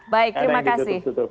baik terima kasih